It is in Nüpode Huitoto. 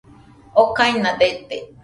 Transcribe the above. okaina dete